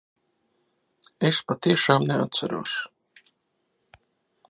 Es patiešām neatceros.